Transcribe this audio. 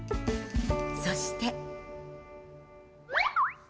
そして。